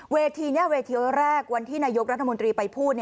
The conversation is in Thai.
เวทีนี้เวทีแรกวันที่นายกรัฐมนตรีไปพูด